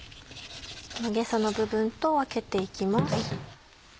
ゲソの部分と分けて行きます。